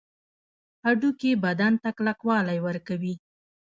هډوکي بدن ته کلکوالی ورکوي